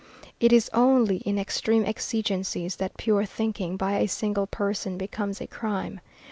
It is only in extreme exigencies that pure thinking by a single person becomes a crime.